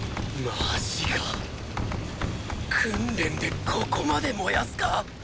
マジか訓練でここまで燃やすか！？